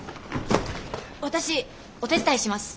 私お手伝いします。